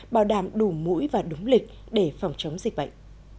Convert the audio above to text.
bảo đảm đủ mũi và đúng lịch để phòng chống dịch bệnh